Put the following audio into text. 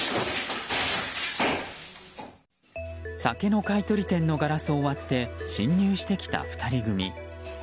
酒の買い取り店のガラスを割って侵入してきた２人組。